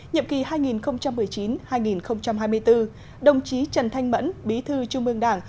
nhiệm kỳ hai nghìn một mươi chín hai nghìn hai mươi bốn đồng chí trần thanh mẫn bí thư trung ương đảng